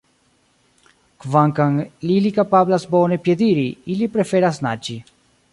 Kvankam ili kapablas bone piediri, ili preferas naĝi.